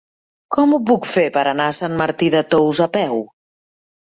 Com ho puc fer per anar a Sant Martí de Tous a peu?